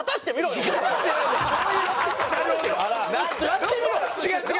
やってみろよ！